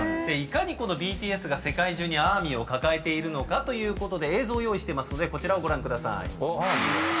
いかにこのＢＴＳが世界中にＡＲＭＹを抱えているのか映像用意してますのでこちらをご覧ください。